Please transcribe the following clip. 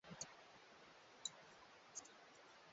Polisi walichunguza uharibifu uliofanyika